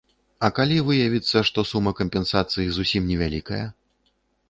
А калі выявіцца, што сума кампенсацыі зусім невялікая?